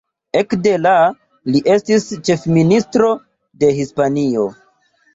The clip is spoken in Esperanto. Ekde la li estas ĉefministro de Hispanio.